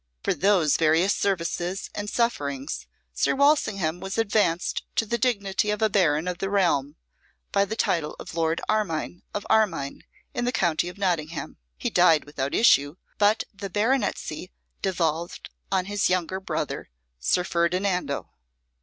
For these various services and sufferings Sir Walsingham was advanced to the dignity of a baron of the realm, by the title of Lord Armine, of Armine, in the county of Nottingham. He died without issue, but the baronetcy devolved on his youngest brother, Sir Ferdinando.